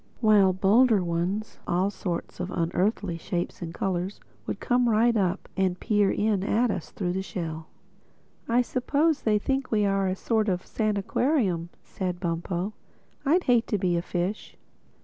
While other bolder ones, all sorts of unearthly shapes and colors, would come right up and peer in at us through the shell. "I suppose they think we are a sort of sanaquarium," said Bumpo—"I'd hate to be a fish."